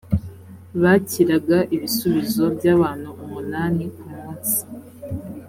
bakiraga ibisubizo by’ abantu umunani ku munsi